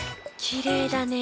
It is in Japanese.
きれいだね。